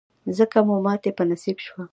ځکه مو ماتې په نصیب شوه.